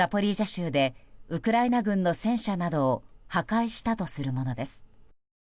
州でウクライナ軍の戦車などを破壊したとするものです。